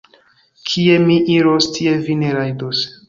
Kie mi iros, tie vi ne rajdos.